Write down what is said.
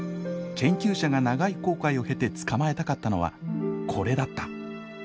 研究者が長い航海を経て捕まえたかったのはこれだった。